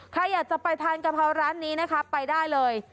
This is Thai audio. ใครอยากจะไปทานกะเพราร้านนี้นะคะไปได้เลย